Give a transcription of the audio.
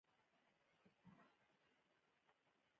که جګړه هم کوي پر دویمه خاوره یې کوي.